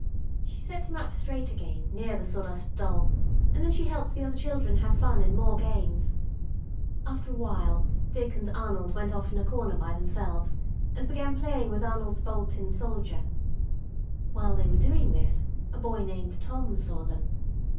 She set him up straight again, near the Sawdust Doll, and then she helped the other children have fun in more games. After a while Dick and Arnold went off in a corner by themselves, and began playing with Arnold's Bold Tin Soldier. While they were doing this a boy named Tom saw them.